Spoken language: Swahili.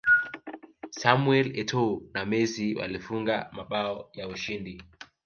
samuel etoo na messi walifunga mabao ya ushindi